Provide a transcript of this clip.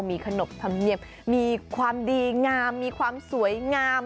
มีขนบธรรมเนียมมีความดีงามมีความสวยงาม